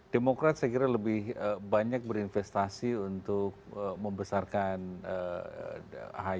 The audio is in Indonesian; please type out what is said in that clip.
demokrat saya kira lebih banyak berinvestasi untuk membesarkan ahy